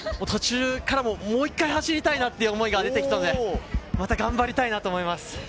途中からもう１回走りたいなって思いが出てきたので、また頑張りたいなと思います。